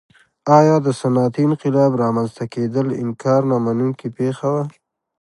ایا د صنعتي انقلاب رامنځته کېدل انکار نه منونکې پېښه وه.